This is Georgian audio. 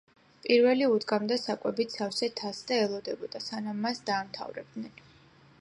პირველი უდგამდა საკვებით სავსე თასს და ელოდებოდა, სანამ მას დაამთავრებდნენ.